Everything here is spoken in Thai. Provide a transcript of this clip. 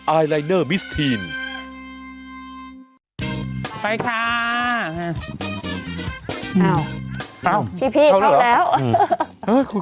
อ้าวเข้าแล้วพี่เข้าแล้วอืม